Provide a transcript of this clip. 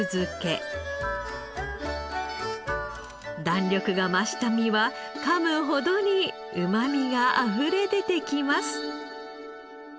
弾力が増した身はかむほどにうまみがあふれ出てきます。